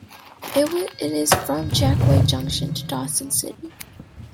It is from Jack Wade Junction to Dawson City.